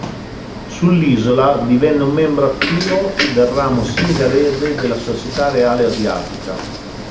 Sull'isola divenne un membro attivo del ramo singalese della Società Reale Asiatica.